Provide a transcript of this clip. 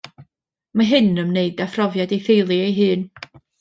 Mae hyn yn ymwneud â phrofiad ei theulu ei hun.